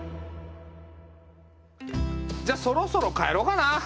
じゃあそろそろ帰ろうかな。